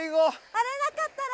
あれなかったら。